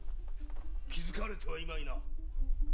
気づかれてはいまいな？